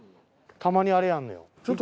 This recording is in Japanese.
たまにあれやんのよ。